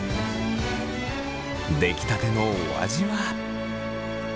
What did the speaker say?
出来たてのお味は。